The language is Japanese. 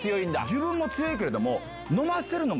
自分も強いけれども。